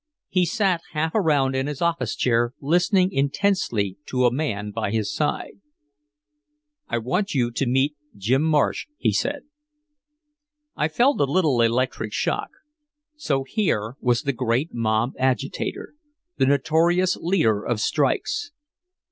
He sat half around in his office chair listening intensely to a man by his side. "I want you to meet Jim Marsh," he said. I felt a little electric shock. So here was the great mob agitator, the notorious leader of strikes.